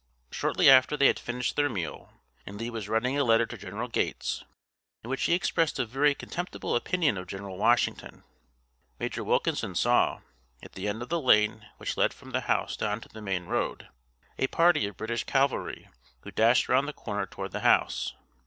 Shortly after they had finished their meal, and Lee was writing a letter to General Gates, in which he expressed a very contemptible opinion of General Washington, Major Wilkinson saw, at the end of the lane which led from the house down to the main road, a party of British cavalry who dashed round the corner toward the house.